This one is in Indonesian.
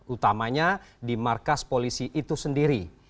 utamanya di markas polisi itu sendiri